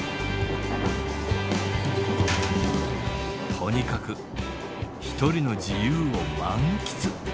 とにかく１人の自由を満喫。